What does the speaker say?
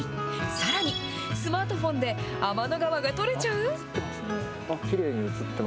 さらに、スマートフォンで天の川が撮れちゃう？